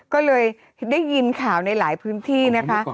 ก็เลยได้ยินข่าวในหลายพื้นที่นะคะ